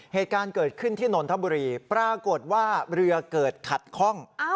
เหตุการณ์เกิดขึ้นที่นนทบุรีปรากฏว่าเรือเกิดขัดคล่อง